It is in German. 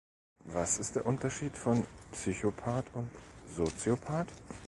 Was ist der Unterschied von Psychopath und Soziopath?